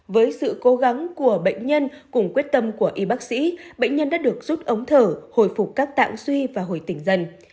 với sự cố gắng của bệnh nhân cùng quyết tâm của y bác sĩ bệnh nhân đã được rút ống thở hồi phục các tạng suy và hồi tỉnh dần